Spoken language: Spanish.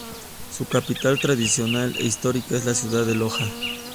Su capital tradicional e histórica es la ciudad de Loja.